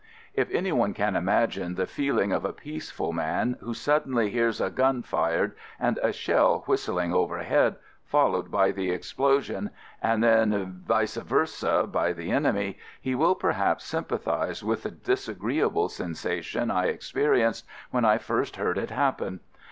If any one can imagine the feeling of a peaceful man who suddenly hears a gun fired and a shell whistling overhead, fol lowed by the explosion, and then vice versa by the enemy, he will perhaps sym pathize with the disagreeable sensation I experienced when I first heard it happen.